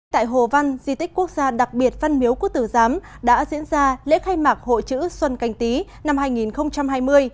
tại hồ văn di tích quốc gia đặc biệt văn miếu quốc tử giám đã diễn ra lễ khai mạc hội chữ xuân canh tí năm hai nghìn hai mươi